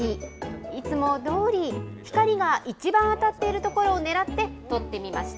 いつもどおり、光が一番当たっている所を狙って撮ってみました。